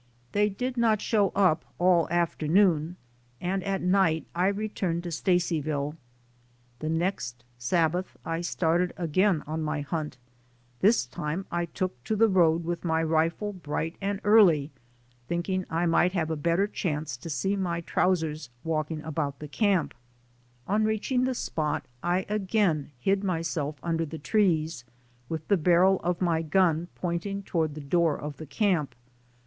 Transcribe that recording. They did not show up all afternoon and at night I returned to Stacy ville. The next Sabbath I started again on my hunt ; IN THE AMERICAN STORM 99 this time I took to the road with my rifle bright and early, thinking I might have a better chance to see my trousers walking about the camp. On reaching the spot I again hid myself under the trees, with the barrel of my gun pointing toward the door of the camp.